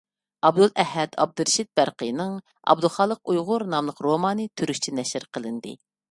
ئابدۇلئەھەد ئابدۇرېشىت بەرقىنىڭ «ئابدۇخالىق ئۇيغۇر» ناملىق رومانى تۈركچە نەشر قىلىندى.